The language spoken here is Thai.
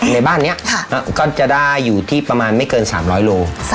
ในบ้านนี้ก็จะได้อยู่ที่ประมาณไม่เกิน๓๐๐โล